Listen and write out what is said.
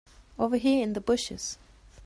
Over here in the bushes.